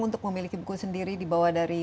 untuk memiliki buku sendiri dibawa dari